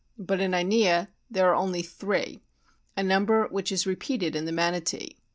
But in I nia there are only three, a number which is repeated in the Manatee.